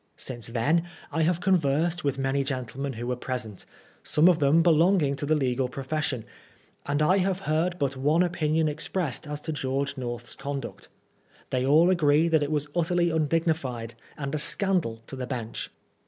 Since then I have conversed with many gentlemen who were present, some of them belonging to the legal profession, and I have heard but one opinion expressed as to Judge North's conduct. They all agree that it was utterly un dignified, and a scandal to the bench.